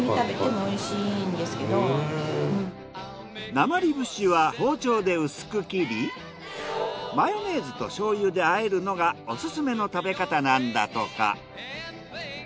なまり節は包丁で薄く切りマヨネーズと醤油で和えるのがオススメの食べ方なんだとか。